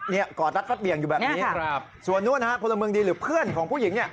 เนี่ยกอดรัฐภัทรเบียงอยู่แบบนี้ส่วนนู้นนะครับผู้หญิงดีหรือเพื่อนของผู้หญิงเนี่ย